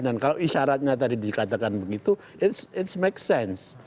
dan kalau isyaratnya tadi dikatakan begitu it makes sense